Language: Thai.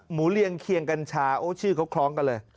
เลียงเคียงกัญชาโอ้ชื่อเขาคล้องกันเลย